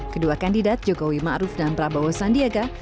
kedua kandidat jokowi ma'ruf dan prabowo sandiaga